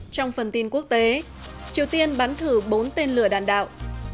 trong phần tin quốc tế triều tiên bắn thử bốn tên lửa đạn đạo